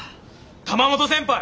玉本先輩